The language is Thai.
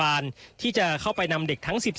อันนี้คือเต็มร้อยเปอร์เซ็นต์แล้วนะครับ